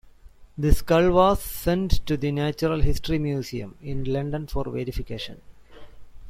The skull was sent to the Natural History Museum in London for verification.